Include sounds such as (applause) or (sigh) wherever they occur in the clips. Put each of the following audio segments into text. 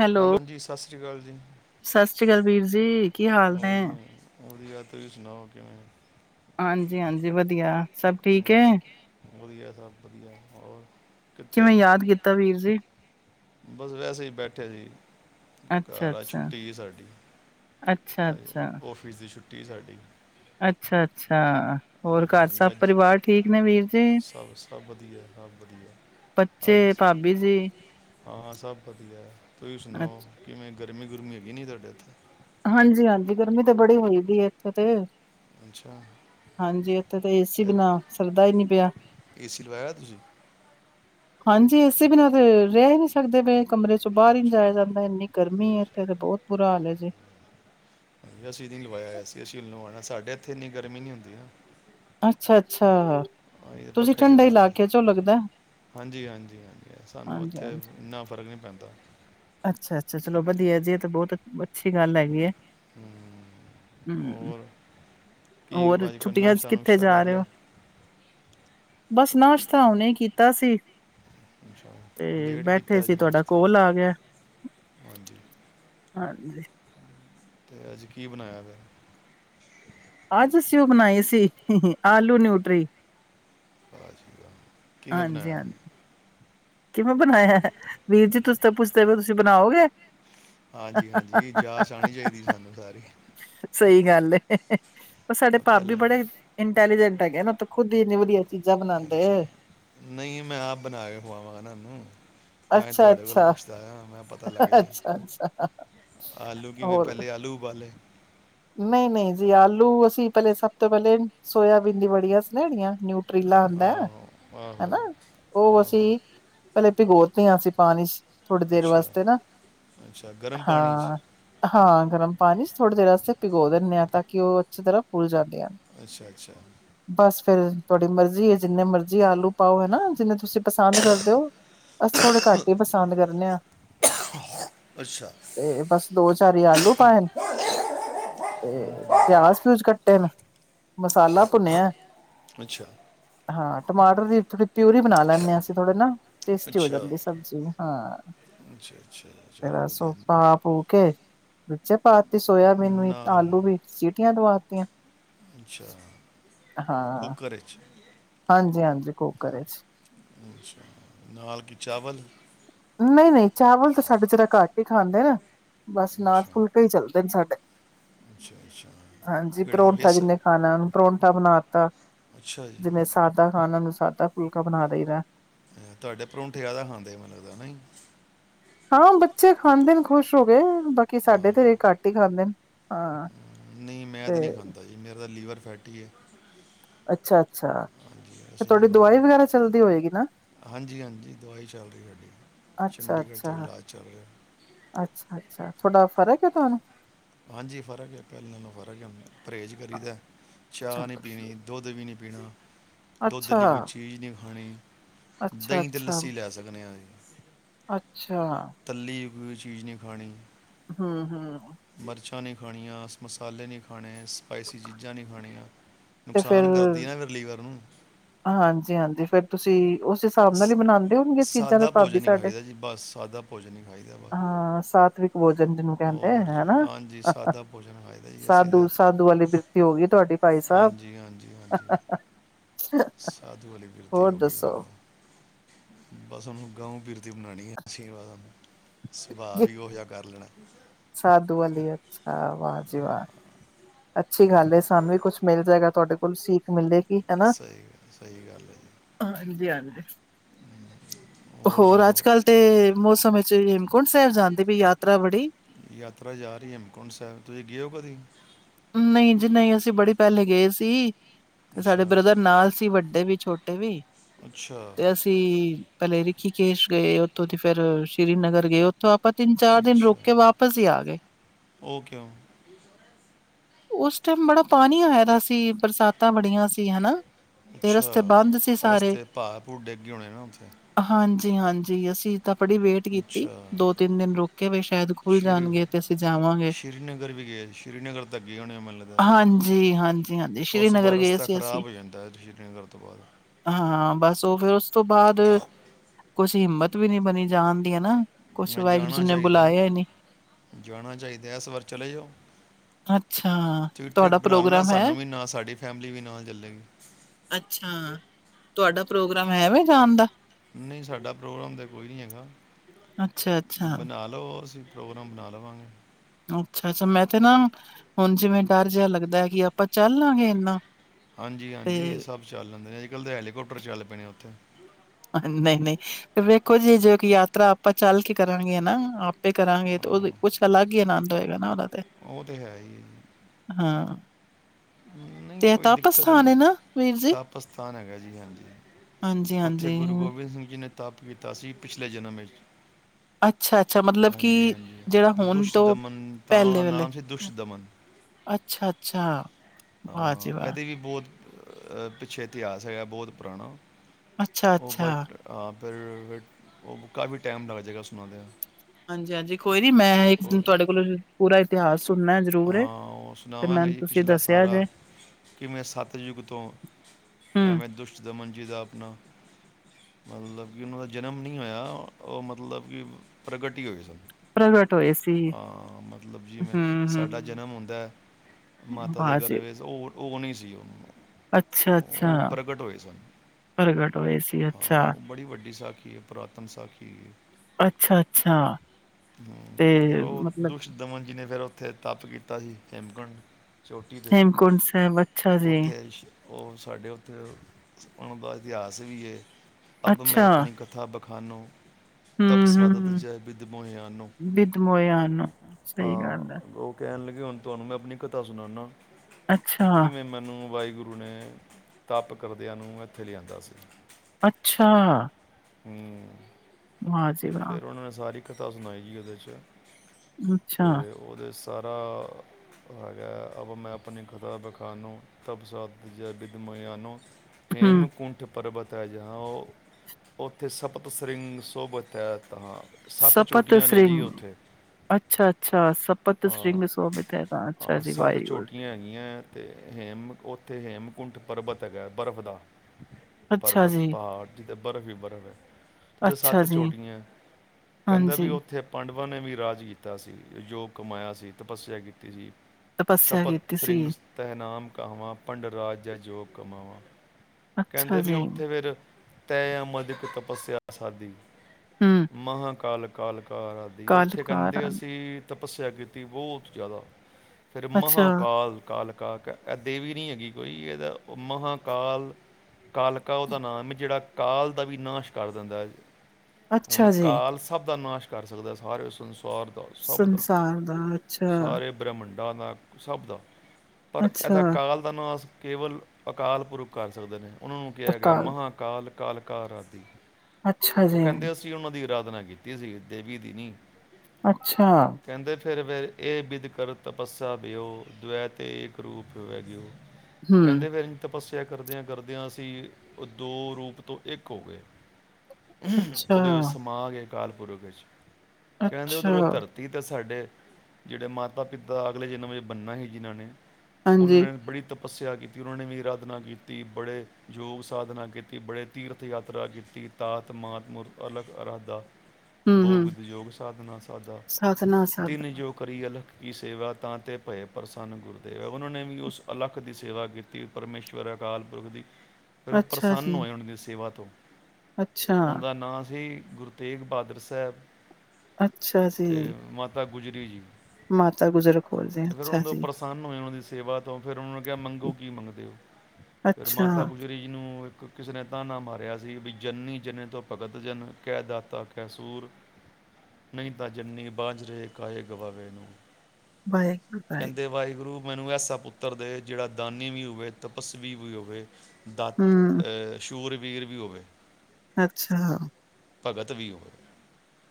Hello ਜੀ ਸਤਿ ਸ੍ਰੀ ਅਕਾਲ ਜੀ ਸਤਿ ਸ੍ਰੀ ਅਕਾਲ ਵੀਰ ਜੀ ਕੀ ਹਾਲ ਨੇ? ਹੋਰ ਜੀ ਉਹਦੀਆ ਤੁਸੀਂ ਸੁਣਾਓ ਕਿਵੇਂ ਹਾਂਜੀ-ਹਾਂਜੀ ਵਧੀਆ, ਸਭ ਠੀਕ ਹੈ ਵਧੀਆ ਸਭ ਵਧੀਆ ਹੋਰ ਕਿਵੇਂ ਕਿੱਥੇ ਯਾਦ ਕੀਤਾ ਵੀਰ ਜੀ ਬਸ ਵੈਸੇ ਹੀ ਬੈਠੇ ਸੀ ਘਰ ਆ ਛੁੱਟੀ ਹੀ ਸਾਡੀ ਅੱਛਾ ਅੱਛਾ ਟੀ ਸਾਡੀ ਹੋਰ ਹਾਂਜੀ ਘਰ ਹਾਂਜੀ ਸਭ ਅੱਜ ਪਰਿਵਾਰ ਠੀਕ ਨੇ ਵੀਰ ਜੀ, ਸਭ ਸਭ ਵਧੀਆ ਸਭ ਵਧੀਆ ਬੱਚੇ, ਅੱਜ ਭਾਬੀ ਜੀ? ਹਾਂ ਸਭ ਵਧੀਆ ਤੁਸੀਂ ਸੁਣਾਓ ਅੱਛ ਕਿਵੇਂ ਗਰਮੀ ਗੁਰਮੀ ਹੈਗੀ ਨਹੀਂ ਤੁਹਾਡੇ ਇੱਥੇ ਹਾਂਜੀ ਹਾਂਜੀ ਗਰਮੀ ਤੇ ਬੜੀ ਹੋਈਦੀ ਹੈ ਇੱਥੇ ਤੇ ਅੱਛਾ ਹਾਂਜੀ ਉਓਥੇ ਤਾਂ ਏਸੀ ਬਿ ਫਿਰ ਨਾ ਸਰਦਾ ਹੀ ਨਹੀਂੀ ਪਿਆ ਏਸੀ ਲਵਾਇਆ ਤੁਸੀਂ ਹਾਂਜੀ, ਏਸੀ ਬਿਨਾਂ ਤੇ ਰੈ ਈ ਨੀ ਸਕਦੇ ਪਏ ਕਮਰੇ ਸੋ ਬਾਅਰ ਈ ਨੀ ਜਾਇਆ ਅੱਛਾ ਜਾਂਦਾ ਏਂਨੀ ਗਰਮੀ ਐ ਫੇਰ ਬੋਤ ਬੁਰਾ ਹਾਲੈ ਜੀ। ਅਸੀਂ ਨੀ ਲਵਾਏਆ ਹੋਇਆ ਸੀ ਅਸੀਂ ਲਵਾਓਣਾ ਸਾਡੇ ਏਥੇ ਇੰਨੀ ਗਰਮੀ ਨੀਂ ਹੁੰਦੀ ਅੱਛਾ-ਅੱਛਾ। ਆਈਂ ਤੁਸੀਂ ਪੱਖਾ ਠੰਡੇ ਚਿਲਾਂਦੇ, ਇਲਾਕੇ ਚੋਂ ਲੱਗਦਾ। ਹਾਂਜੀ-ਹਾਂਜੀ-ਹਾਂਜੀ ਸਾਨੂੰ ਏੱਥੇ ਹਾਂਜੀ-ਹਾਂਜੀ, ਇੰਨਾ ਫ਼ਰਕ ਨੀ ਪੈਂਦਾ। ਅੱਛਾ-ਅੱਛਾ ਚਲੋ ਵਧੀਆ ਜੇ ਏ ਤਾਂ ਬੋਤ ਅੱਛੀ ਗੱਲ ਹੈਗੀ ਐ। ਹਮ, ਹੰਮ੍ਹ, ਔਰ ਕੀ ਹੋਰ ਬਾਜੀ ਕਰ ਛੁੱਟੀਆਂ ਨਾਸ਼ਤਾ ਚ ਨੁਸ਼ਤਾ ਜਾ ਕਰ ਰੇ ਓ, ਲਿਆ ਬਸ ਨਾਸ਼ਤਾ ਹੁਨੇ ਈ ਕੀਤਾ ਤਾ ਸੀ। ਤੇ ਇਨਸ਼ਾਅੱਲਾ ਲੇਟ ਬੈਠੇ ਕੀਤਾ ਜੀ ਸੀ ਤੋਡਾ ਨਾਸ਼ਤਾ ਕੋਲ ਆ ਗਆ‌, ਹਾਂਜੀ ਹਾਂਜੀ। ਤੇ ਅੱਜ ਕੀ ਬਣਾਇਆ ਫੇਰ? ਆਜ ਅਸੀਂ ਓ ਬਣਾਈ ਸੀ, ਆਲੂ ਨਿਊਟਰੀ। (unintelligible) ਹਾਂਜੀ, ਬਣਾਇਆ ਹਾਂਜੀ। ਕਿਵੇ ਬਨਾਏਆ ਹੈ, ਵੀਰ ਜੀ ਤੁਸੀਂ ਤਾ ਪੁੱਛਦੇ ਪ ਜੇ ਬਨਾਓਗੇ ਹਾਜੀ, ਹਾਂਜੀ, ਜਾਚ ਆਣੀ ਚਾਹੀਦੀ ਸਾਨੂੰ ਸਾਰੀ। ਸਹੀ ਗੱਲ ਏ। ਓ ਸਾਡੇ ਆ ਪਾਬੀ ਪਹਿਲੇ ਬੜੇ ਇਟੈਲੀਜੈਂਟ ਹੈਗੇ ਨੇ ਓ ਤੇ ਖੁਦਦੀ ਏਨੇ ਵਦੀਆ ਅੱਛਾ, ਨਈ ਮੈਂ ਆਪ ਬਣਾ ਕੇ ਖੂਆਵਾ ਗਾ ਤਾਂਨੂੰ। ਤਾਂ ਏਹ ਤੁਆਡੇ ਕੋਲ ਅੱਛਾ-ਅੱਛਾ। ਪੁੱਛਦਾ ਆ, ਮੈਂ ਪਤਾ ਲੱਗ ਜੇ ਅੱਛਾ ਅੱਛਾ ਆਲੂ ਕਿਵੇ? ਪੈਲੇ ਆਲੂ ਉਬਾਲੇ ਨਈ, ਨਈ ਜੀ, ਆਲੂ ਅਸੀਂ ਪੈਲੇ ਸਬ ਤੇ ਪੈਲੇ ਸੋਯਾਬੀਨ ਦੀ ਵੜੀਆਸ ਲੈਣੀਆ ਟਰੀਲਾ ਆਂਦੈ ਆਹੋ ਹਨਾ, ਆਹੋ ਓ ਆਹੋ ਅਸੀ ਪੈਲੇ ਭਿਗੋ ਤੀਆ ਸੀ ਪਾਨੀਚ ਥੋੜੀ ਦੇਰ ਅੱਛਾ ਵਾਸਤੇ ਨਾ। ਅੱਛਾ ਗਰਮ ਪਾਣੀ 'ਚ ਹਾਂ, ਹਾਂ, ਗਰਮ ਪਾਣੀ ਚ ਥੋੜੀ ਦੇਰ ਅਸਤੇ ਭਿਗੋ ਦਿੰਨੇ ਆ, ਤਾ ਕਿ ਓ ਅੱਛੀ ਤਰਾ ਫੂਲ ਜਾਣ। ਅੱਛਾ ਅੱਛਾ ਬਸ ਫਿਰ। ਤੁਹਾਡੀ ਮਰਜ਼ੀ ਹੈ ਜਿੰਨੇ ਮਰਜ਼ੀ ਆਲੂ ਪਾਓ ਹਨਾ ਜਿੰਨੇ ਤੁਸੀਂ ਪਸੰਦ ਕਰਦੇਓ ਅਸੀ ਥੋੜੇ ਘੱਟ ਹੀ ਪਸੰਦ ਕਰਨ ਹਾਂ ਅੱਛਾ ਤੇ ਬਸ ਦੋ ਚਾਰੀ ਆਲੂ ਪਾਏ ਨੇ ਤੇ ਪਿਆਜ ਪਯਊਜ ਕੱਟੇ ਨੇ ਮਸਾਲਾ ਭੁੰਨਿਆ ਅੱਛਾ ਹਾਂ ਟਮਾਟਰ ਦੀ ਥੋੜੀ ਪਿਊਰੀ ਬਣਾ ਲੈਂਦੇ ਹਾਂ ਅਸੀਂ ਥੋੜੇ ਨਾ ਟੇਸਟੀ ਹੋ ਅੱਛਾ ਜਾਂਦੀ ਸਬਜ਼ੀ ਹਾਂ ਅੱਛਾ ਅੱਛਾ ਚਲੋ ਵਧੀਆ (unintelligible) ਕੇ ਪਾ ਤੇ ਸੋਇਆਬੀਨ ਵੀ ਨਾਲ ਆਲੂ ਵਿੱਚ ਸਿਟੀਆ ਦਵਾ ਤੇ ਅੱਛਾ ਹਾਂ ਕੂਕਰ ਚ ਹਾਂਜੀ ਹਾਂਜੀ ਕੂਕਰ ਵਿੱਚ ਅੱਛਾ ਨਾਲ ਕੀ ਚਾਵਲ ਨਹੀਂ ਨਹੀਂ ਚਾਵਲ ਤਾਂ ਸਾਡਾ ਜਿਹੜਾ ਘੱਟ ਹੀ ਖਾਂਦੇ ਨੇ ਬਸ ਨਾਲ ਅੱਛਾ ਫੁਲਕਾ ਹੀ ਚੱਲਦੇ ਨੇ ਸਾਡੇ ਅੱਛਾ ਅੱਛਾ ਹਾਂਜੀ ਕਿਹੜੇ ਪਰੌਂਠਾ ਵੇਸ ਜਿੰਨੇ ਖਾਣਾ ਉਹਨੂੰ ਪਰੋਂਂਠਾ ਬਣਾ ਤਾ ਅੱਛਾ ਜੀ ਜਿਵੇਂ ਸਾਦਾ ਖਾਣਾ ਨੂੰ ਸਾਦਾ ਫੁਲਕਾ ਬਣਾ ਦੇਈਦਾ ਤੁਹਾਡੇ ਪਰੌਂਠੇ ਜਿਆਦਾ ਖਾਂਦੇ ਮੈਨੂੰ ਲਗਦਾ ਹਾਂ ਬੱਚੇ ਖਾਂਦੇ ਨੇ ਖੁਸ਼ ਹੋ ਗਏ ਬਾਕੀ ਸਾਡੇ ਹਾਂ, ਤੇ ਘੱਟ ਹੀ ਖਾਂਦੇ ਨੇ ਹਾਂ ਨਹੀਂ ਮੈਂ ਤੇ ਨਹੀਂ ਖਾਂਦਾ ਜੀ ਮੇਰਾ ਤਾਂ ਲੀਵਰ ਫੇਟੀ ਠੀਕ ਹੈ ਅੱਛਾ-ਅੱਛਾ ਹਾਂਜੀ ਤੇ ਅਸੀਂ ਨਹੀਂ ਤੁਹਾਡੀ ਦਵਾਈ ਖਾਂਦੇ ਵਗੈਰਾ ਚੱਲਦੀ ਹੋਏਗੀ ਨਾ ਹਾਂਜੀ ਹਾਂਜੀ ਦਵਾਈ ਚੱਲ ਰਹੀ ਸਾਡੀ ਚੰਡੀਗੜ੍ਹ ਤੋਂ ਇਲਾਜ ਚੱਲ ਰਿਹਾ ਅੱਛਾ ਅੱਛਾ ਥੋਡਾ ਫ਼ਰਕ ਹੈ ਤੁਹਾਨੂੰ ਹਾਂਜੀ ਫਰਕ ਹੈ ਪਹਿਲਾਂ ਨੂੰ ਫਰਕ ਹੈ ਪਰਹੇਜ਼ ਕਰੀ ਹਾਂ, ਦਾ ਚਾਹ ਨੀ ਚਲੋ ਪੀਣੀ ਦੁੱਧ ਵੀ ਨੀ ਬਿਨਾਂ ਦੁੱਧ ਅੱਛਾ, ਵਾਲੀ ਕੋਈ ਚੀਜ਼ ਨਹੀਂ ਖਾਣੀ ਦਹੀਂ ਤੇ ਅੱਛਾ-ਅੱਛਾ, ਲੱਸੀ ਲੈ ਸਕਦੇ ਹਾਂ ਅੱਛਾ ਅੱਛਾ ਤੱਲੀ ਕੋਈ ਚੀਜ਼ ਨਹੀਂ ਖਾਣੀ ਹਮ ਹਮ ਮਿਰਚਾਂ ਨਹੀਂ ਖਾਣੀਆ ਮਸਾਲੇ ਨਹੀਂ ਖਾਣੇ ਸਪਾਈਸੀ ਚੀਜ਼ਾਂ ਨਹੀਂ ਖਾਣੀਆਂ ਤੇ ਫਿਰ ਨੁਕਸਾਨ ਕਰਦੀ ਹੈ ਨਾ ਫਿਰ ਲੀਵਰ ਨੂੰ ਹਾਂਜੀ ਹਾਂਜੀ ਫਰ ਤੁਸੀਂ ਉਸ ਹਿਸਾਬ ਨਾਲ ਹੀ ਸ- ਮਨਾਉਂਦੇ ਹੋਣਗੇਆਂ ਚੀਜ਼ਾਂ ਦੇ ਸਾਦਾ ਭਾਬੀ ਭੋਜਨ ਹੀ ਸਾਡੇ ਖਾਈਦਾ ਜੀ ਬਸ ਸਾਦਾ ਭੋਜਨ ਹੀ ਖਾਈਦਾ ਵਾ ਹਾਂ ਸਾਤਵ ਭੋਜਨ ਜਿਹਨੂੰ ਕਹਿੰਦੇ ਔਰ ਜੀ ਹਨਾ ਹਾਂਜੀ ਸਾਦਾ ਭੋਜਨ ਖਾਈਦਾ ਜੀ ਅਸੀਂ ਸਾਧੂ ਤੇ ਸਾਧੂ ਵਾਲੀ ਬਰਤੀ ਹੋ ਗਈ ਤੁਹਾਡੀ ਭਾਈ ਸਾਹਿਬ ਹਾਂਜੀ ਹਾਂਜੀ ਹਾਂਜੀ ਸਾਧੂ ਵਾਲੀ ਵਿਰਤੀ ਹੋਰ ਹੋ ਗਈ ਦੱਸੋ ਫੇ ਬਸ ਉਹਨੂੰ ਗਊ ਪੀਰਤੀ ਬਣਾਉਣੀ ਆ ਆਸ਼ੀਰਵਾਦ ਉਹੂੰ ਸੁਭਾਅ ਵੀ ਉਹ ਜਿਹਾ ਕਰ ਲੈਣਾ ਸਾਧੂ ਅਲੀ ਅੱਛਾ ਵਾਹ ਜੀਵਾਾਹ ਅੱਛੀ ਗੱਲ- ਗੱਲਏ ਸਾਨੂੰ ਵੀ ਕੁੱਛ ਮਿਲ ਜਾਏਗਾ ਤੁਹਾਡੇ ਕੋਲ ਲ ਸੀਖ ਮਿਲਦੇ ਹਨਾ ਸਹੀ ਸਹੀ ਗੱਲ ਹੈ ਜੀ ਹਾਂਜੀ ਹਾਂਜੀ ਹੋਰ ਅੱਜ ਕਲ ਤੇ ਮੌਸਮ ਵਿੱਚ ਕਣ ਸਹਿਰ ਜਾਂਦੇ ਵੀ ਯਾ ਯਾਤਰਾ ਜਾ ਰਹੀ ਹੈਮਕੁੰਟ ਸਾਹਿਬ ਤੁਸੀਂ ਗਏਓ ਕਦੀ ਨਹੀਂ ਜੀ ਨਹੀਂ ਅਸੀਂ ਬੜੀ ਪਹਿਲੇ ਗਏ ਸੀ ਤੇ ਸਾਡੇ ਅੱਛਾ ਬ੍ਰਦਰ ਨਾਲ ਸੀ ਵੱਡੇ ਵੀ ਛੋਟ ਵੀ ਅੱਛਾ ਤੇ ਅਸੀਂ ਪਹਿਲੇ ਰਿਖੀਕੇਸ਼ ਗਏ ਉੱਥੋਂ ਤੇ ਫੇਰ ਸ੍ਰੀਨਗਰ ਗਏ ਉਥ ਤੇ ਆਪਾਂ ਤਿੰਨ ਚਾਰ ਦਿਨ ਰੁਕ ਅੱਛਾ ਕੇ ਵਾਪਸ ਹੀ ਆ ਗਏ ਉਹ ਕਿਉਂ ਉਸ ਟਾਈਮ ਬੜਾ ਪਾਣੀ ਆਇਦਾ ਸੀ ਬਰਸਾਤਾਂ ਬੜੀਆਂ ਸੀ ਹਨਾ ਤੇ ਰਸਤੇ ਅੱਛਾ ਬੰਦ ਸੀ ਸਾਰੇ ਰਸਤੇ ਹਾੜ ਭੂ ਡਿੱਗੇ ਹੋਣੇ ਨਾ ਉੱਥੇ ਜੀ ਹਾਂਜੀ ਅਸੀਂ ਤਾਂ ਬੜੀ ਵੇਟ ਕੀਤੀ ਅੱਛਾ ਦੋ ਤਿੰਨ ਦਿਨ ਰੁਕੇ ਵੀਏ ਸ਼ਾਇਦ ਖੁੱਲ੍ਹ ਸ਼੍ਰੀ ਜਾਣਗੇ ਤੇ ਅਸੀਂ ਜਾਵਾਂਗੇ ਸ਼੍ਰੀਨਗਰ ਵੀ ਗਏ ਸ਼੍ਰੀਨਗਰ ਤੱਕ ਗਏ ਹੋਣੇ ਮੈਨੂੰ ਲੱਗਦਾ ਹਾਂਜੀ ਹਾਂਜੀ ਹਾਂਜੀ ਉਸ ਤੋਂ ਸ੍ਰੀਨਗਰ ਬਾਅਦ ਗਏ ਰਸਤਾ ਸੀ ਅਸੀਂ ਖਰਾਬ ਹੋ ਜਾਂਦਾ ਹੈ ਸ਼੍ਰੀਨਗਰ ਤੋਂ ਬਾਅਦ ਹਾਂ ਬਸ ਉਹ ਫਿਰ ਉਸ ਤੋਂ ਬਾਅਦ ਕੁਛ ਹਿੰਮਤ ਵੀ ਨੀ ਬਣੀ ਜਾਣ ਦੀ ਹੈ ਨਾ ਨਹੀਂ ਜਾਣਾ ਚਾਹੀਦਾ ਜਾਣਾ ਚਾਹੀਦਾ ਇਸ ਵਾਰ ਚਲੇ ਜਾਓ ਅੱਛਾ ਤੇ ਟ੍ਰਿਪ ਤੁਹਾਡਾ ਬਣਾ ਲੈਣਾ ਪ੍ਰੋਗਰਾਮ ਹੈ ਸਾਨੂੰ ਵੀ ਨਾਲ ਸਾਡੀ ਫੈਮਿਲੀ ਵੀ ਨਾਲ ਚੱਲੇਗੀ ਅਛਾ ਤੁਹਾਡਾ ਪ੍ਰੋਗਰਾਮ ਹੈ ਵ ਜਾਣ ਦਾ ਨਹੀਂ ਸਾਡਾ ਪ੍ਰੋਗਰਾਮ ਤੇ ਕੋਈ ਨੀ ਹੈਗਾ ਅੱਛਾ, ਅੱਛਾ, ਬਣਾ ਲਸੀ ਪ੍ਰੋਗਰਾਮ ਬਣਾ ਲਵਾਂਗੇ ਅੱਛਾ ਅੱਛਾ ਮੈਂ ਤੇ ਨਾ ਹੁਣ ਜਿਵੇਂ ਡਰ ਜਿਹਾ ਲੱਗਦਾ ਕਿ ਆਪਾਂ ਚੱਲ ਲਾਂਗੇ ਇੰਨਾ। ਹਾਂਜੀ ਹਾਂਜੀ ਤੇ ਇਹ ਸਭ ਚੱਲ ਲੈਂਦੇ ਨੇ। ਜਲਦੀ ਹੈਲੀਕਾੋਪਟਰ ਚੱਲ ਪੈਣੇ ਉੱਥੇ ਕੁੱਝ ਜੋ ਯਾਤਰਾ ਆਪਾਂ ਚੱਲ ਕੇ ਕਰਾਂਗੇ ਨਾ ਆਪੇ ਕਰਾਂਗੇ ਤੇ ਉਹ ਹਾਂ, ਕੁਛ ਅਲੱਗ ਹੀ ਆਨੰਦ ਹੋਏਗਾ ਨਾ ਉਹਦਾ। ਤੇ ਉਹ ਤੇ ਹੈ ਹੀ। ਹਾਂ, ਨਹੀਂ ਤੇ ਇਹ ਕੋਈ ਤਪ ਦਿੱਕਤ ਸਥਾਨ ਨੀ ਹੈ ਨਾ ਵੀਰ ਜੀ? ਤਪ ਸਥਾਨ ਹੈਗਾ ਜੀ ਹਾਂਜੀ। ਉੱਥੇ ਹਾਂਜੀ-ਹਾਂਜੀ, ਗੁਰੂ ਗੋਬਿੰਦ ਸਿੰਘ ਜੀ ਜੀ ਨੇ ਤਪ ਕੀਤਾ ਸੀ ਪਿਛਲੇ ਜਨਮ ਵਿੱਚ ਅੱਛਾ ਅੱਛਾ ਮਤਲਬ ਕਿ ਹਾਂਜੀ ਹਾਂਜੀ ਜਿਹੜਾ ਹੁਣ ਦੁਸ਼ਟ ਤੋਂ ਦਮਨ ਤਾਂ ਪਹਿਲੇ ਉਹਦਾ ਵੇਲੇ। ਨਾਮ ਸੀ ਦੁਸ਼ਟ ਦਮਨ ਅੱਛਾ ਅੱਛਾ ਹਾਂ ਇਹਦੇ ਵੀ ਬਹੁਤ ਅ ਪਿੱਛੇ ਇਤਿਹਾਸ ਹੈਗਾ ਬਹੁਤ ਪੁਰਾਣਾ ਉਹ ਬਟ ਅੱਛਾ-ਅੱਛਾ, ਫਿਰ ਉਹ ਕਾਫੀ ਟਾਈਮ ਲੱਗ ਜਾਵੇਗਾ ਸੁਣਾ ਦਿਆ ਹਾਂਜੀ ਹਾਂਜੀ। ਕੋਈ ਨੀ ਮੈਂ ਇੱਕ ਦਿਨ ਤੁਹਾਡੇ ਕੋਲੋਂ ਪੂਰਾ ਇਤਿਹਾਸ ਸੁਣਨਾ ਜ਼ਰੂਰ ਏ ਹਾਂ ਉਹ ਤੇ ਸੁਣਾਵਾਂਗੇ ਮੈਨੂੰ ਜੀ ਤੁਸੀਂ ਪਿਛਲਾ ਦੱਸਿਆ ਜੇ ਸਾਰਾ ਕਿਵੇੈਂ ਸੱਤਯੁੱਗ ਤੋਂ ਹੂੰ, ਐਵੇੈਂ ਦੁਸ਼ਟ ਦਮਨ ਜਿਹਦਾ ਆਪਣਾ ਮਤਲਬ ਕਿ ਉਹਨਾਂ ਦਾ ਜਨਮ ਨਹੀਂ ਹੋਇਆ ਉਹ ਮਤਲਬ ਕਿ ਪ੍ਰਗਟ ਹੀ ਹੋਏ ਸਨ। ਪ੍ਰਗਟ ਹੋਏ ਸੀ। ਹਾਂ ਮਤਲਬ ਜਿਵੇਂ ਹੂੰ ਸਾਡਾ ਹੂੰ, ਜਨਮ ਹੁੰਦਾ ਮਾਤਾ ਦੇ ਗਰਭ ਵਿੱਚ ਉਹ ਉਹ ਨਹੀਂ ਸੀ ਉਹ ਅੱਛਾ ਅੱਛਾ ਉਹ ਪ੍ਰਗਟ ਹੋਏ ਸਨ ਪ੍ਰਗਟ ਹੋਏ ਸੀ ਅੱਛਾ। ਕੀ ਪੁਰਾਤਨ ਸਾਖੀ ਅੱਛਾ-ਅੱਛਾ ਹੂੰ ਤੇ ਫੇਰ ਉਹ ਮਤਲਬ ਦੁਸ਼ਟ ਦਮਨ ਜੀ ਨੇ ਫੇਰ ਉੱਥੇ ਤਪ ਕੀਤਾ ਸੀ ਚਮਕਣ ਹੇਮਕੁੰਡ ਸਾਹਿਬ ਅੱਛਾ ਜੀ। ਉੱਥੇ ਸ਼- ਉਹ ਸਾਡੇ ਉੱਥੇ ਉਹਨਾਂ ਦਾ ਇਤਿਹਾਸ ਵੀ ਏ। ਅਬ ਮੈਂ ਅੱਛਾ ਆਪਣੀ ਕਥਾ ਬਖਾਣੋ ਤਪ ਹੂੰ, ਸਾਦਤ ਹੂੰ ਜੈਬਿਦ ਮੋਹਿ ਆਨੋ। ਬਿਦ ਮੋਇਆ ਨੂੰ ਸਹੀ ਗੱਲ ਐ, ਹਾਂ ਉਹ ਕਹਿਣ ਲਗੇ ਹੁਣ ਤੁਹਾਨੂੰ ਮੈਂ ਆਪਣੀ ਕਤਾ ਸੁਣਾਨਾ। ਅੱਛਾ, ਕਿਵੇ ਮੈਨੂੰ ਵਾਹਿਗੁਰੂ ਨੇ ਤਪ ਕਰਦਿਆਂ ਨੂੰ ਇੱਥੇ ਲਿਆਂਦਾ ਸੀ। ਅੱਛਾ ਹਮ। ਵਾਹ ਤੇ ਜੀ ਵਾਹ! ਫੇਿਰ ਉਹਣ ਮੈਂ ਸਾਰੀ ਇੱਕ ਕਥਾ ਸੁਣਾਈ ਜੀ ਉਹਦੇ 'ਚ ਅੱਛਾ ਤੇ ਉਹਦੇ ਸਾਰਾ ਹੈਗਾ ਅਵ ਮੈਂ ਆਪਣੀ ਖਤਾ ਵਿਖਾ ਨੂੰ ਤਬ ਸਤ ਜ ਬਿਦ ਮੁਹਆ ਨੂੰ ਹੂੰ, ਹੇਮਕੁੰਠ। ਪਰਵਤ ਹੈ ਜ ਉਹ ਉੱਥੇ ਸਪਤ ਸਿੰਘਿੰਗ ਸੋਭ ਇਥੇ ਤਾਂ। ਸੱਤ ਸਪਤ ਚੋਟੀਆਂ ਨੇ ਸਿੰਘ ਜੀ ਉੱਥੇਹ ਅੱਛਾ-ਅੱਛਾ ਸਪਤ ਸਿੰਘ ਸੋਭਿਤ ਹੈਗਾ ਅੱਛਾ ਜੀ ਸੱਤ ਵਾਹਿਗੁਰੂ ਜੀ, ਚੋਟੀਆਂ ਹੈਗੀਆਂ ਹੈ ਤੇ ਹੇਮ ਉੱਥੇ ਹੇਮ ਕੁੰਠ ਪਰਬਤ ਹੈ ਬਰਫ਼ ਦਾ। ਅੱਛਾ ਪਰਬਤ ਜੀ, ਪਹਾੜ ਦੀ ਅਤੇ ਬਰਫ਼ੀ ਬਰਫ਼ ਅਤੇ ਅੱਛਾ ਸੱਤ ਜੀ, ਚਛੋਟੀਆਂ ਕਹਿੰਦਾ ਵੀ ਹਾਂਜੀ ਉੱਥੇ ਪੰਾਂਡ। ਾ ਨੇ ਵੀ ਰਾਜ ਕੀਤਾ ਸੀ ਯੋਗ ਕਮਾਇਆ ਸੀ ਤਪੱਸਿਆ ਕੀਤੀ ਸੀ। ਤਪੱਸਿਆ ਸਪਤ ਕੀਤੀ ਸੀ, ਸਿੰਗਤਹਿਨਾਮ। ਕਵਾਂ ਭੰਡ ਰਾਜ ਜਾਂ ਜੋ ਕਮਾਵਾਂ। ਅੱਛਾ ਕਹਿੰਦੇ ਵੀ ਜੀ, ਉਹ ਉੱਥੇ ਫਿਰ ਤੇੈ ਮਦ ਕਿ ਤਪੱਸਿਆਸਾਦੀ ਹੂੰ ਮਹਾਕਾਲਕ ਕਾਲ ਕਾਰਾਂ ਦੀ ਕਾਲ ਉੱਥੇ ਕਾਰ ਕਹਿੰਦੇ ਅਸੀਂ ਤ ਤਪੱਸਿਆ ਕੀਤੀ ਬਹੁਤ ਜ਼ਿਆਦਾ ਫਿਰ ਅੱਛਾ, ਮਹਾਂਕਾਲ ਕਾਲ ਕਾਕ ਇਹ ਦੇਵੀ ਨਹੀਂ ਹੈਗੀ ਕੋਈ ਇਹਦਾ ਮਹਾਂਕਾਲ। ਕਾਲਕਾ ਉਹਦਾ ਨਾਮ ਹੈ ਜਿਹੜਾ ਕਾਲ ਦਾ ਵੀ ਨਾਸ਼ ਕਰ ਦਿੰਦਾ ਹੁਣ ਅੱਛਾ ਜੀ। ਕਾਲ ਸਬ ਦਾ ਨਾਸ਼ ਕਰ ਸਕਦਾ ਸਾਰੇ ਸੰ ਸੰਸਾਰ ਦਾ ਅੱਛਾ। ਡਾਂ ਦਾ ਸਭ ਦਾ ਪਰ ਇਹਦਾ ਕਾਗ ਤੁਹਾਨੂੰ ਅਸ ਕੇਵਲ ਅਕਾਲ ਪੁਰਖ ਕਰ ਸਕਦੇ ਨੇ। ਉਹਨਾਂ ਨੂੰ ਕਿਹਾ ਗਿਆ ਅਕਾਲ ਮਹਾਂਕਾਲ ਕਾਲਕਾਰਤ ਅਤੇ ਅੱਛਾ ਉਹ ਜੀ, ਕਹਿੰਦੇ ਅਸੀਂ ਉਹਨਾਂ ਦੀ ਰਾਹ ਪ੍ਰਰਾਧਨਾ ਕੀਤੀ ਸੀ ਦੇਵੀ ਦੀ ਨੀ ਅੱਛਾ, ਫਿਰ ਫਿਰ ਇਹ ਬਿੱਦ ਕਰ ਤਪੱਸਿਆ ਵਿਓ ਦਵੈ ਤੇ ਏ ਰੂਪ ਵੈਗਿਓ ਹੂੰ, ਕਹਿੰਦੇ ਵੀ ਤਪੱਸ ਕਰਦਿਆਂ ਕਰਦਿਆਂ ਅਸੀਂ ਉਹ ਦੋ ਰੂਪ ਤੋਂ ਇੱਕ ਹੋ ਗਏ। ਅੱਛਾ, ਉਹਦੇ ਵਿੱਚ ਸਮਾਗ ਹੈ। ਕਾਲਪੁਰਕ ਵਿੱਚ ਕਹਿੰਦੇ ਅੱਛਾ ਉਧਰੋਂ ਧਰਤੀ ਤੇ ਸਾਡੇ ਜਿਹੜੇ ਮਾਤਾ- ਪਿਤਾ ਅਗਲੇ ਜਨਮ ਜ ਬਣਨਾ ਸੀ ਜਿਨਾਂ ਨੇ ਉਹਨਾਂ ਹਾਂਜੀ ਨੇ ਬੜੀ ਤਪੱ ਤਪੱਸਿਆ ਕੀਤੀ ਉਹਨਾਂ ਨੇ ਵੀ ਅਰਾਧਨਾ ਕੀਤੀ, ਬੜੇ ਯੋਗ- ਸਾਧਨਾ ਕੀਤੀ ਬੜੇ ਤੀਰਥ ਯਾਤ ਯਾਤਰਾ ਕੀਤੀ ਤਾਤ-ਮਾਤ ਮੂਰਤ ਅਲੱਗ ਅਰਾਦਾ ਹੂੰ-ਹੂੰ ਬੋਗਦ ਯੋਗ ਸਾਧਨਾ ਸਾਦਾ ਸਾਧਨਾ ਤਿੰਨ ਸਾਧਨਾ ਜੋ ਕਰੀ ਅਲ ਕਿ ਸੇਵਾ ਤਾਂ ਤੇ ਪਏ ਪ੍ਰਸੰਨ ਗੁਰਦੇਵ ਹੈ ਉਹਨਾਂ ਨੇ ਵੀ ਉਸ ਅਲੱਖ ਦੀ ਸੇਵਾ ਕੀਤੀ ਪਰਮੇਸ਼ਵਰ ਅਕਾਲ ਪੁਰਖ ਦੀ। ਫਿਰ ਉਹ ਅੱਛਾ ਪ੍ਰਸੰਨ ਜੀ, ਹੋਏ ਹੋਣਗੇ ਸੇਵਾ ਤੋਂ ਅੱਛਾ, ਉਹਦਾ ਨਾਂ ਸੀ ਗੁਰੂ ਤੇਗ ਬਹਾਦਰ ਸਾਹਿਬ। ਅੱਛਾ ਜੀ, ਅਤੇ ਮਾਤਾ ਗੁਜਰੀ ਜੀ। ਮਾਤਾ ਗੁਜਰ ਕੌਰ ਜੀ ਤੇ ਫੇਰ ਅੱਛਾ ਉਹਨਾਂ ਤੋਂ ਜੀ, ਪ੍ਰਸੰਨ ਹੋਏ ਉਹਨਾਂ ਦੀ ਸੇਵਾ ਤੋਂ ਫੇਰ ਉਹਨਾਂ ਨੂੰ ਕਿਹਾ ਮੰਗੋ ਕੀ ਮੰਗਦੇ ਓ ਫੇਰ ਅੱਛਾ ਮਾਤਾ ਗੁਜਰੀ ਜੀ ਨੂੰ ਕਿਸੇ ਨੇ ਤਾਨਾ ਮਾਰਿਆ। ਸੀ ਵੀ ਜੰਨੀ ਜਨੇ ਤੋਂ ਭਗਤ ਜਨ ਕੈ ਦਾਤਾ ਕੈ ਸੂਰ ਨਹੀਂ ਤਾਂ ਜੰਨੀ ਬਾਂਝ ਰਹੇ ਕਾਏ ਗਵਾਵੇ ਨੂੰ ਬਾਏ, ਬਾਏ ਕਹਿੰਦੇ ਵਾਹਿਗੁਰੂ ਮੈਨੂੰ ਐਸਾ ਪੁੱਤਰ ਦੇ ਜਿਹੜਾ ਦਾਨੀ ਵੀ ਹੋਵੇ, ਤਪਸਵੀ ਵੀ ਹੋਵੇ। ਦਾਤ ਹੂੰ, ਅ ਸ਼ੂਰ ਵੀਰ ਵੀ ਹੋਵੇ। ਹ (unintelligible) ਅੱਛਾ, ਭਗਤ ਵੀ ਹੋਵੇ।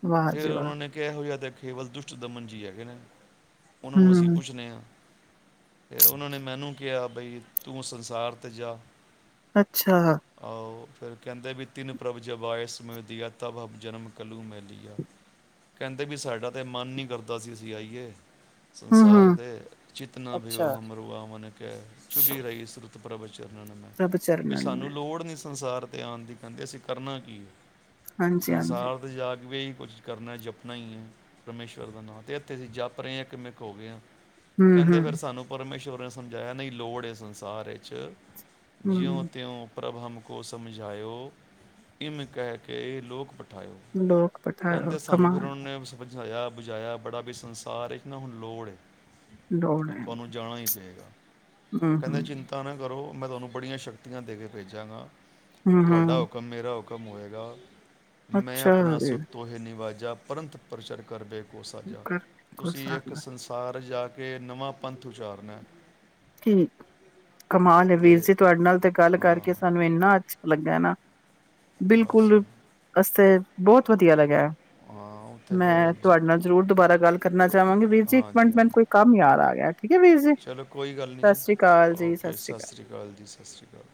ਵਾਹ ਜੀ ਫਿਰ ਵਾਹ ਉਹਨਾਂ ਨੇ ਕਿਹੋ ਜਿਹਾ ਦੇ ਕੇਵਲ ਦੁਸ਼ਟ ਦਮਨ ਜੀ ਹੈਗੇ ਨੇ। ਉਹਨਾਂ ਨੂੰ ਅਸੀਂ ਹੂੰ, ਪੁੱਛਦੇ ਹਾਂ ਫਿਰ ਉਹਨਾਂ ਨੇ ਮੈਨੂੰ ਕਿਹਾ ਬਈ ਤੂੰ ਸੰਸਾਰ ਤੇ ਜਾ ਅੱਛਾ ਆਓ ਫਿਰ ਕਹਿੰਦੇ ਵੀ ਤਿੰਨ ਪ੍ਰਭ ਜਵਾ ਆਇਸ ਮੈਂ ਦੀਆ ਤਬ ਜਨਮ ਕੱਲੂ ਮੈਂ ਲਆ ਕਹਿੰਦੇ ਵੀ ਸਾਡਾ ਤਾਂ ਮਨ ਨਹੀਂ ਕਰਦਾ ਸੀ ਅਸੀਂ ਆਈਏ ਸੰਸਾਰ ਹੂੰ-ਹੂੰ ਦੇ ਚਿਤਨਾ ਵੀ ਅੱਛਾ ਉਹ ਹਮਰੂਆ ਮਨ ਕ ਚੁਭੀ ਰਹੀੁ ਪ੍ਰਭ ਪ੍ਰਭ ਬਈ ਚਰਨਨ ਸਾਨੂੰ ਮੈਂ ਲੋੜ ਨੀ ਸੰਸਾਰ ਤੇ ਆਉਣ ਦੀ ਕਹਿੰਦੇ ਅਸੀਂ ਕਰਨਾ ਕੀ ਹੈ ਹਾਂਜੀ-ਹਾਂਜੀ ਸੰਸਾਰ ਤੇ ਜਾ ਕੇ ਵੀ ਕੁਝ ਕਰਨਾ ਜਪਣਾ ਹੀ ਹੈ ਪਰਮੇਸ਼ਵਰ ਦਾ ਨਾਂ ਤੇ ਇੱਥੇ ਅਸੀਂ ਜਪ ਰਹੇ ਹਾਂ ਕਿ ਮਂ ਕੋ ਹੋ ਗਏ ਹਾਂ ਕਹਿੰਦੇ ਹੂੰ-ਹੂੰ, ਫੇਿਰ ਸਾਨੂੰ ਪਰਮੇਸ਼ਰ ਆਪ ਸਮਝਾਇਆ ਨਹੀਂ ਲੋੜ ਹੈ ਸੰਸਾਰ ਵਿੱਚ ਜਿਉ ਹੂੰ ਤਉਂ ਪ੍ਰਭ ਹਮ ਕੋ ਸਮਝਾਇਓ ਇਮ ਕਹਿ ਕੇ ਲੋਕ ਪ ਲੋਕ ਪੁੱਠੇ ਕੰਮਾਂ ਚ ਉਹਨਾਂ ਨੇ ਸਮਝਾਇਆ ਬੁਝਾਇਆ ਬੜਾ ਵੀ ਸੰਸਾਰ ਹੈ ਨਾ ਹੁਣ ਲੋੜ ਹੈ ਲੋੜ ਹੈ, ਤੁਹਾਨੂੰ ਜਾਣਾ ਹੀ ਪਏਗਾ ਕਹਿੰਦੇ ਹੂੰ-ਹੂੰ, ਚਿੰਤਾ ਨਾ ਕਰੋ ਮੈਂ ਤੁਹਾਨੂੰ ਬੜੀਆਂ ਸ਼ਕਤੀਆਂ ਦੇ ਕੇ ਭੇਜਾਂਗਾ ਤੁਹਾਡਾ ਹੂੰ-ਹੂੰ, ਹੁਕਮ ਮੇਰਾ ਹੁਕਮ ਹੁਕਮ ਹੋਏਗਾ ਮੈਂ ਅੱਛਾ ਆਪਣਾ ਸੁੱ ਤੋਹੇ ਨਿਵਾਜ ਜਾਂ ਪੰਥ ਪ੍ਰਸ਼ਰ ਕਰਦੇ ਸਾਜ ਤੁਸੀਂ ਇੱਕ ਸੰਸਾਰ ਜਾ ਕੇ ਨਵਾਂ ਪੰਥ ਉਚਾਰਨਾ ਕਮਾਲ ਹੈਹ ਵੀਰ ਤੇ ਜੀ ਤੁਹਾਡੇ ਨਾਲ ਤੇ ਗੱਲ ਕਰਕੇ ਹਾਂ ਸਾਨੂੰ ਇਨਾ ਲੱਗਾ ਨਾ ਬਸ ਬਿਲਕੁਲ ਅਸੀਂਬਹੁਤ ਵਧੀਆ ਲੱਗਿਆ ਹਾਂ ਉੱਥੇ ਮੈਂ ਫਿਰ ਜ- ਤੁਹਾਡੇ ਨਾਲ ਜ਼ਰੂਰ ਦੁਬਾਰਾ ਗੱਲ ਕਰਨਾ ਜਾਵਾਂਗੇ ਵੀਰ ਜੀ ਇੱਕ ਹਾਂਜੀ ਮਿੰਟ ਮੈਨੂੰ ਕੋਈ ਹਾਂਜੀ ਕੰਮ ਯਾਦ ਆ ਗਿਆ ਠੀਕ ਹੈ ਵੀਰ ਜੀ ਚਲੋ ਕੋਈ ਗੱਲ ਨਹੀਂ ਸਤਿ ਜੀ ਸ੍ਰੀ ਅਕਾਲ ਜੀ, ਓਕੇ ਸ੍ਰੀ ਸਤਿ ਸ਼੍ਰੀ ਅਕਾਲ ਜੀ ਸਤਿ ਸ਼੍ਰੀ ਅਕਾਲ